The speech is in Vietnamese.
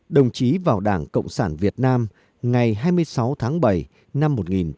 đồng chí vào đảng cộng sản việt nam ngày hai mươi sáu tháng bảy năm một nghìn chín trăm bảy mươi